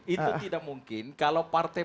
itu tidak mungkin kalau partai